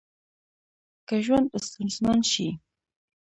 که ژوند ستونزمن شي